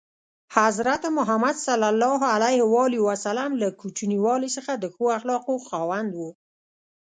حضرت محمد ﷺ له کوچنیوالي څخه د ښو اخلاقو خاوند و.